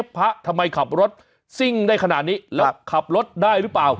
พระทำไมขับรถซิ่งได้ขนาดนี้แล้วขับรถได้หรือเปล่า